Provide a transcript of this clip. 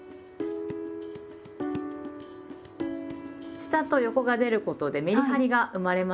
下と横が出ることでメリハリが生まれますよね。